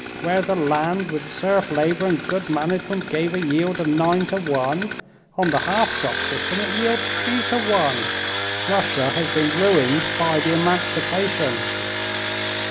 Where the land with serf labor and good management gave a yield of nine to one, on the half crop system it yields three to one. Russia has been ruined by the emancipation!"